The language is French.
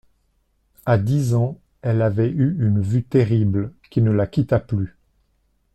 À dix ans, elle avait eu une vue terrible, qui ne la quitta plus.